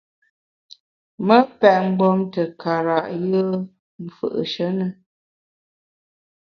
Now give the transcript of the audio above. Me pèt mgbom te kara’ yùe m’ fù’she ne.